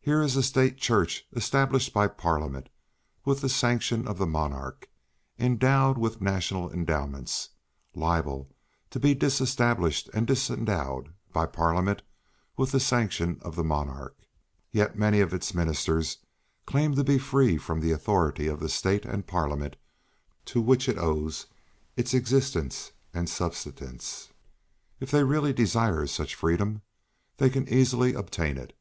Here is a State Church established by Parliament with the sanction of the monarch, endowed with national endowments, liable to be disestablished and disendowed by Parliament with the sanction of the monarch; yet many of its ministers claim to be free from the authority of the State and Parliament to which it owes its existence and subsistence! If they really desire such freedom, they can easily obtain it.